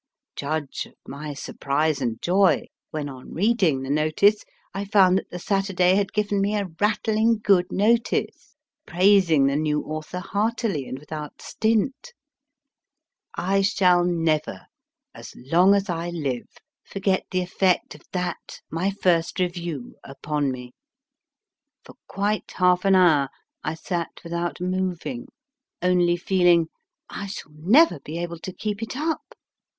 Judge of my surprise and joy when, on reading the notice, I found that the Saturday had given me a rattling good notice, praising the new author heartily and without stint. I shall never, as long as I live, forget the effect of that, my first review, upon me. For quite half an hour I sat without moving, only feeling, I shall never be able to keep it up.